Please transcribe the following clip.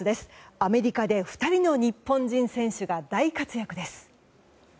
アメリカで２人の日本人選手が大活躍です。